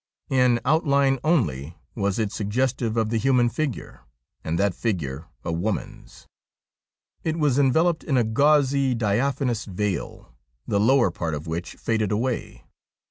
In outline only was it suggestive of the human figure, and that figure a woman's. It was enveloped in a gauzy, diaphanous veil, the lower part of which faded away.